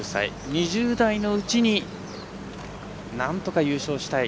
２０代のうちになんとか優勝したい。